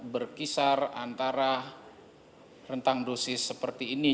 berkisar antara rentang dosis seperti ini